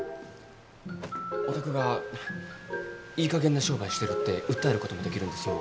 お宅がいいかげんな商売してるって訴えることもできるんですよ。